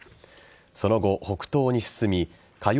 その後、北東に進み火曜